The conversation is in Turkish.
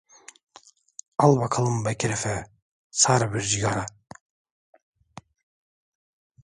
Al bakalım Bekir Efe, sar bir cıgara!